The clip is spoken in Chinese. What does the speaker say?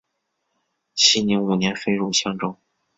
熙宁五年废入襄州。